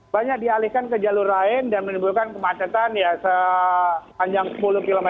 banyak dialihkan ke jalur lain dan menimbulkan kemacetan ya sepanjang sepuluh km